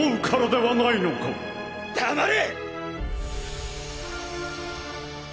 黙れ！！